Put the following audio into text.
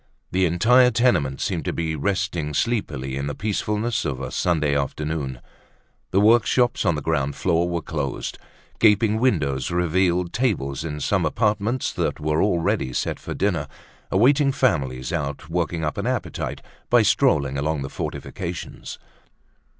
The entire tenement seemed to be resting sleepily in the peacefulness of a Sunday afternoon. The workshops on the ground floor were closed. Gaping windows revealed tables in some apartments that were already set for dinner, awaiting families out working up an appetite by strolling along the fortifications.